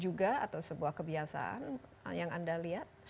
juga atau sebuah kebiasaan yang anda lihat